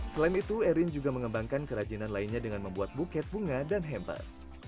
selain itu erin juga mengembangkan kerajinan lainnya dengan membuat buket bunga dan hampers